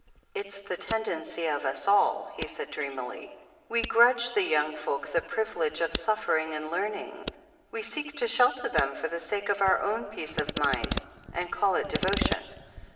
"It's the tendency of us all," he said dreamily. "We grudge the yoimg folk the privilege of suffering and learning — ^we seek to shelter them, for the sake of our own peace of mind, and call it devotion."